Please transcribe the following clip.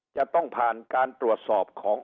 จะต้องผ่านการตรวจสอบของ